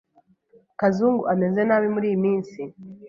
Kazungu ameze nabi muriyi minsi.